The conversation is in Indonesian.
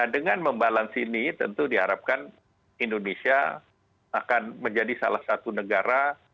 dan dengan membalansi ini tentu diharapkan indonesia akan menjadi salah satu negara